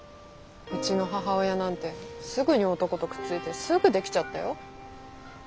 うちの母親なんてすぐに男とくっついてすぐ出来ちゃったよ。